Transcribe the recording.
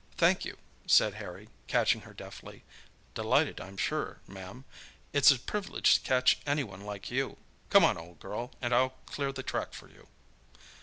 "Thank you," said Harry, catching her deftly. "Delighted, I'm sure, ma'am! It's a privilege to catch any one like you. Come on, old girl, and I'll clear the track for you."